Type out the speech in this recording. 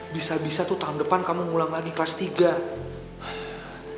bisa bisa tuh tahun depan kamu mengulang lagi kelas tiga